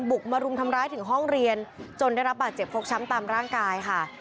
บุกมารุมทำร้ายถึงห้องเรียนจนได้รับบาดเจ็บฟกช้ำตามร่างกายค่ะ